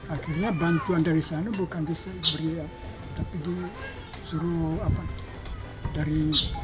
akhirnya bantuan dari sana bukan bisa diberi tapi disuruh dari